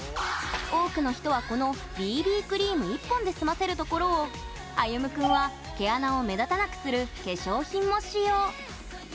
多くの人はこのＢＢクリーム１本で済ませるところをあゆむ君は毛穴を目立たなくする化粧品も使用。